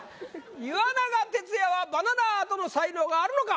岩永徹也はバナナアートの才能があるのか？